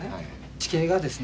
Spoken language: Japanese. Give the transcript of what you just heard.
地形がですね